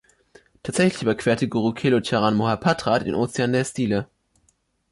Tatsächlich überquerte Guru Kelucharan Mohapatra den Ozean der Stile.